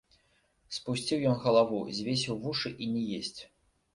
Спусціў ён галаву, звесіў вушы і не есць.